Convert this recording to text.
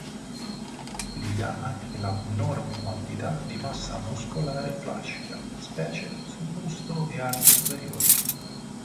Tipica anche l'abnorme quantità di massa muscolare flaccida, specie su busto e arti superiori.